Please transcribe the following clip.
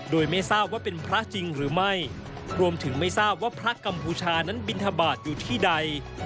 โดยไม่ทราบว่าเป็นพระจริงหรือไม่รวมถึงไม่ทราบว่าพระกัมพูชานั้นบินทบาทอยู่ที่ใด